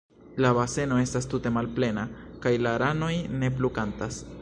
La baseno estas tute malplena, kaj la ranoj ne plu kantas.